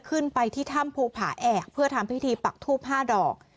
ขึ้นไปที่ถ้ำภูผาแอกเพื่อทำพิธีปักทูบ๕ดอก